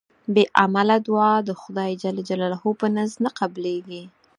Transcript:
بی عمله دوعا د خدای ج په نزد نه قبلېږي